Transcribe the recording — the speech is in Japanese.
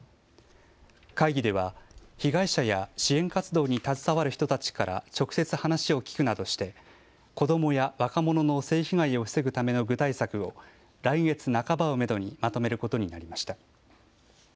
会議では被害者や支援活動に携わる人たちから直接話を聞くなどして子どもや若者の性被害を防ぐための具体策を来月半ばをめどにまとめることになりました。